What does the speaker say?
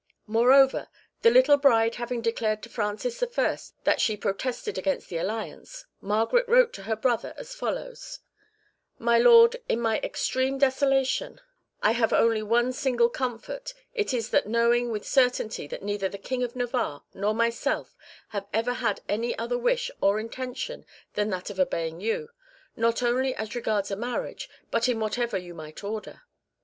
Moreover, the little bride having declared to Francis I. that she protested against the alliance, Margaret wrote to her brother as follows: "My Lord, in my extreme desolation, I have only one single comfort, it is that of knowing with certainty that neither the King of Navarre nor myself have ever had any other wish or intention than that of obeying you, not only as regards a marriage, but in whatever you might order.